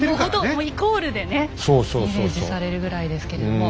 もうイコールでねイメージされるぐらいですけれども。